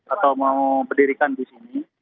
atau mau berdirikan di sini